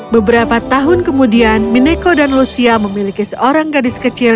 beberapa tahun kemudian mineko dan lucia memiliki seorang gadis kecil